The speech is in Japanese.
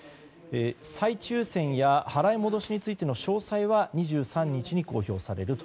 再抽選や払い戻しについての詳細は２３日に公表されると。